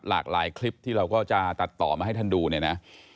หลากหลายคลิปที่เราก็จะตัดต่อมาให้ท่านดูเนี่ยนะ